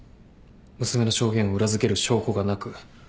娘の証言を裏付ける証拠がなく不起訴処分に。